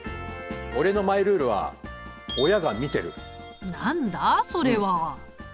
俺のマイルールは何だそれは？